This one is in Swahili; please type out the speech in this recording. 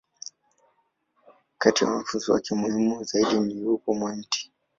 Kati ya wanafunzi wake muhimu zaidi, yupo Mt.